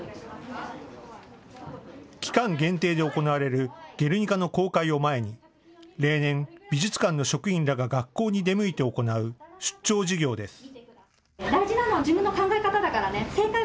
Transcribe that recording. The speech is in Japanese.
期間限定で行われるゲルニカの公開を前に例年、美術館の職員らが学校に出向いて行う出張授業です。